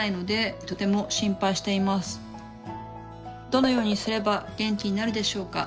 どのようにすれば元気になるでしょうか？